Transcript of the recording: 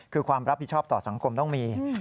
คือความรับผิดชอบต่อสังคมต้องมี